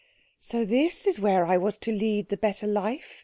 "So this is where I was to lead the better life?"